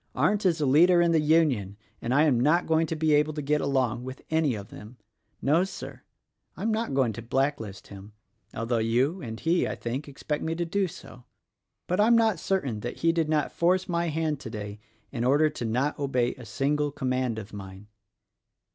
Arndt is a leader in the Union, and I am not going to be able to get along with any of them. No, Sir, I am not going to blacklist him, although you and he, I think, expect me to do so. But I'm not certain that he did not force my hand today in order to not obey a single com mand of mine.